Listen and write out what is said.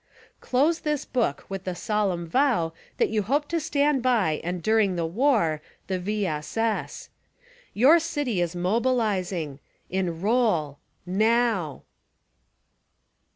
Close this book with the solemn vow that you hope to stand by and during the war: The V. S. S. ! Your city is mobilizing! Enroll! Now!